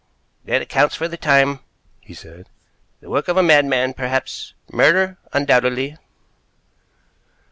"That accounts for the time," he said. "The work of a madman, perhaps. Murder, undoubtedly."